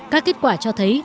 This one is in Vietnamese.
các kết quả cho thấy